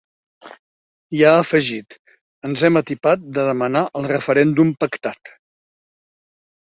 I ha afegit: Ens hem atipat de demanar el referèndum pactat.